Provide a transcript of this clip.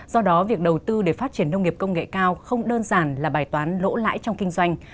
do đó việc đầu tư để phát triển nông nghiệp công nghệ cao không đơn giản là bài toán lỗ lãi trong kinh doanh